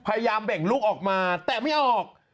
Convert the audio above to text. พยายามแบ่งลุกออกมาแต่ไม่ออก